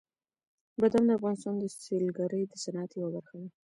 بادام د افغانستان د سیلګرۍ د صنعت یوه برخه ده.